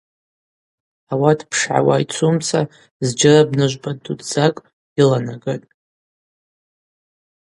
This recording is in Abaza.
Ауат пшгӏауа йцумца зджьара Бна жвпӏа дудздзакӏ йыланагатӏ.